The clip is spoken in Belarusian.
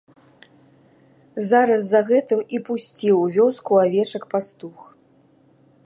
Зараз за гэтым і пусціў у вёску авечак пастух.